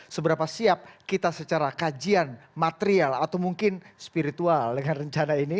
seberapa siap kita secara kajian material atau mungkin spiritual dengan rencana ini